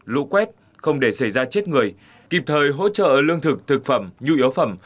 lũ quét không để xảy ra chết người kịp thời hỗ trợ lương thực thực phẩm nhu yếu phẩm